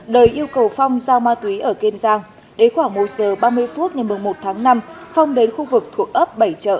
đời yêu cầu phong giao ma túy ở kênh giang đến khoảng một giờ ba mươi phút ngày một tháng năm phong đến khu vực thuộc ấp bảy trợ